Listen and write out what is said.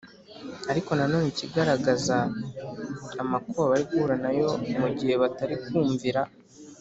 , ariko nanone ikagaragaza amakuba bari guhura na yo mu gihe batari kumvira